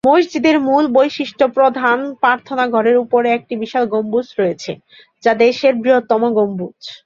মসজিদের মূল বৈশিষ্ট্য প্রধান প্রার্থনা-ঘরের উপরে একটি বিশাল গম্বুজ রয়েছে, যা দেশের বৃহত্তম গম্বুজ।